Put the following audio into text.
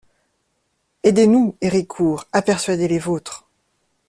Aidez-nous, Héricourt, à persuader les vôtres!